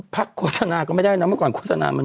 โฆษณาก็ไม่ได้นะเมื่อก่อนโฆษณามัน